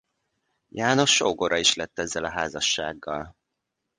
János sógora is lett ezzel a házassággal.